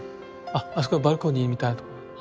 あっあそこにバルコニーみたいなとこが。